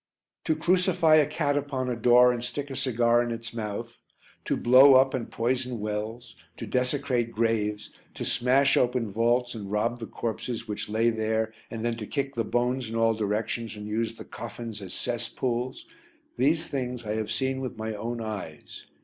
To crucify a cat upon a door and stick a cigar in its mouth, to blow up and poison wells, to desecrate graves, to smash open vaults and rob the corpses which lay there, and then to kick the bones in all directions and use the coffins as cess pools these things I have seen with my own eyes.